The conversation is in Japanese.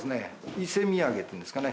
伊勢土産っていうんですかね。